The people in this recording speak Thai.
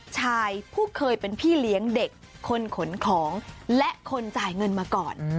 ชายผู้เคยเป็นพี่เลี้ยงเด็กคนขนของและคนจ่ายเงินมาก่อน